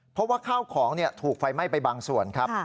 เพราะว่าข้าวของถูกไฟไหม้ไปบางส่วนครับ